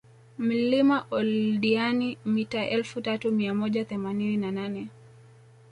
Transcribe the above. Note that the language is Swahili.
Mlima Oldeani mita elfu tatu mia moja themanini na nane